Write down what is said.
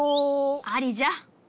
ありじゃ。